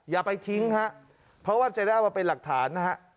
อย่าไปทิ้งเพราะว่าจะได้ออกมาเป็นหลักฐาน